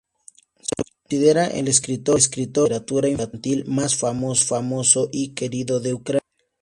Se lo considera el escritor de literatura infantil más famoso y querido de Ucrania.